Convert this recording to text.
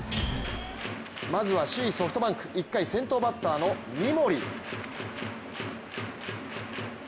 まずは首位ソフトバンク１回、先頭バッターの三森。